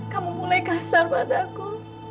kamu mulai kasar padaku